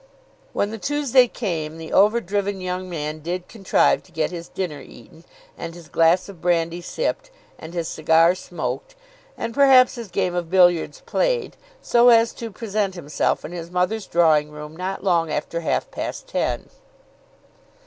When the Tuesday came, the over driven young man did contrive to get his dinner eaten, and his glass of brandy sipped, and his cigar smoked, and perhaps his game of billiards played, so as to present himself in his mother's drawing room not long after half past ten.